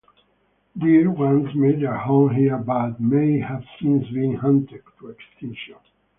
Deer once made their home here but may have since been hunted to extinction.